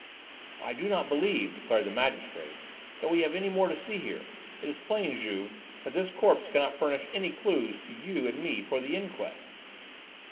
"I do not believe," declared the magistrate, "that we have any more to see here. It is plain, Juve, that this corpse cannot furnish any clues to you and me for the inquest."